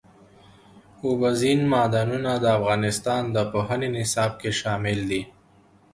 اوبزین معدنونه د افغانستان د پوهنې نصاب کې شامل دي.